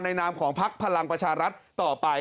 นามของพักพลังประชารัฐต่อไป